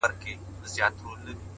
ستونزې پټ قوتونه راویښوي،